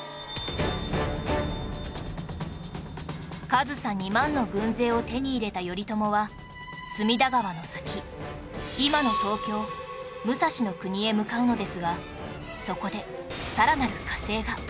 上総２万の軍勢を手に入れた頼朝は隅田川の先今の東京武蔵国へ向かうのですがそこで